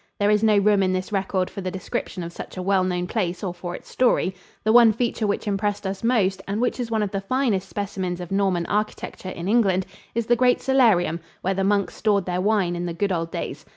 There is no room in this record for the description of such a well known place or for its story. The one feature which impressed us most, and which is one of the finest specimens of Norman architecture in England, is the great cellarium, where the monks stored their wine in the good old days.